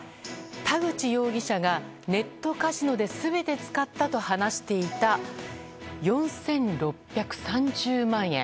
田口容疑者がネットカジノで全て使ったと話していた４６３０万円。